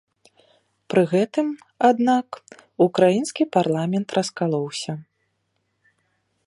Пры гэтым, аднак, украінскі парламент раскалоўся.